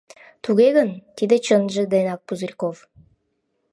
Туге гын, тиде чынже денак Пузырьков.